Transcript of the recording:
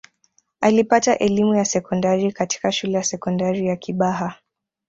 alipata elimu ya sekondari katika shule ya sekondari ya kibaha